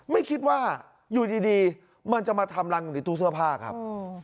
ไม่คิดว่าอยู่ดีมันจะมาทำรังอยู่ในตู้เสื้อผ้าครับ